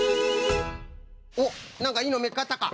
おっなんかいいのみつかったか？